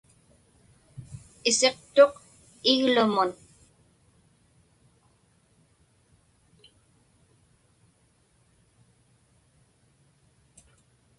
Isiqtuq iglumun.